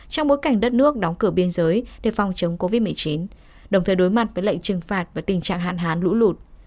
trong bối cảnh đất nước đóng cửa biên giới để phòng chống covid một mươi chín đồng thời đối mặt với lệnh trừng phạt và tình trạng hạn hán lũ lụt